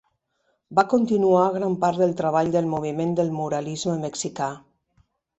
Va continuar gran part del treball del moviment del muralisme mexicà.